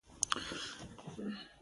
کلیسا د مالیې اخیستلو حق له لاسه ورکړ.